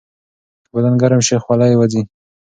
که بدن ګرم شي، خوله یې وځي.